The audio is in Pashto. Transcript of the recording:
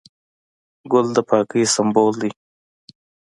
ګل د پاکۍ سمبول دی.